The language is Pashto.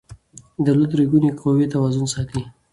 د دولت درې ګونې قوې توازن ساتي